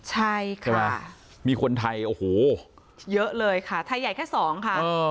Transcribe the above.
ใช่ค่ะใช่ไหมมีคนไทยโอ้โหเยอะเลยค่ะไทยใหญ่แค่สองค่ะ